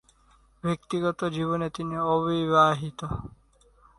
ব্যক্তিগত জীবনে তিনি অবিবাহিত।